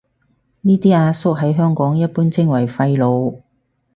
呢啲阿叔喺香港一般稱為廢老